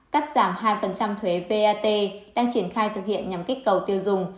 cắt giảm hai thuế vat đang triển khai thực hiện nhằm kích cầu tiêu dùng